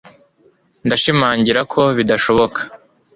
ndashimangira ko bidashoboka